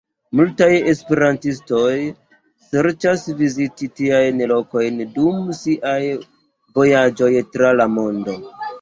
Multaj esperantistoj serĉas viziti tiajn lokojn dum siaj vojaĝoj tra la mondo.